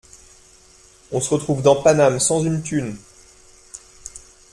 On se retrouve dans Paname sans une thune.